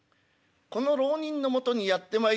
この浪人のもとにやって参りまして。